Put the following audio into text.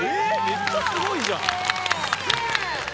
めっちゃすごいじゃん！